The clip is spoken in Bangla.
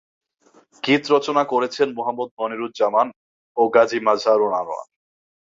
গীত রচনা করেছেন মোহাম্মদ মনিরুজ্জামান ও গাজী মাজহারুল আনোয়ার।